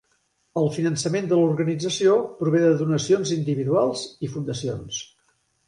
El finançament de l'organització prové de donacions individuals i fundacions.